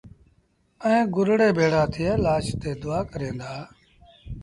ائيٚݩ گُرڙي ڀيڙآ ٿئي لآش تي دئآ ڪريݩ دآ